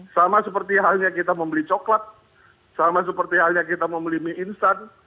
sama seperti halnya kita membeli coklat sama seperti halnya kita membeli mie instan